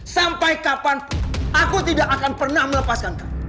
sampai kapanpun aku tidak akan pernah melepaskan kamu